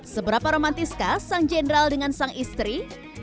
seberapa romantiskah sang jenderal dengan sang istri